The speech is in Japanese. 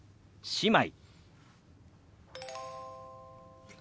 姉妹。